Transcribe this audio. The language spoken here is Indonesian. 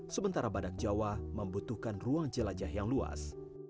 sementara badak jawa membutuhkan ruang jelajah yang luas